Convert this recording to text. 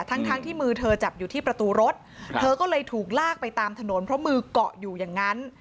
ทั้งทั้งที่มือเธอจับอยู่ที่ประตูรถเธอก็เลยถูกลากไปตามถนนเพราะมือเกาะอยู่อย่างนั้น